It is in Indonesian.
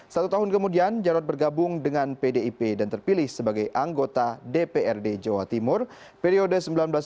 satu tahun kemudian jarod bergabung dengan pdip dan terpilih sebagai anggota dprd jawa timur periode seribu sembilan ratus sembilan puluh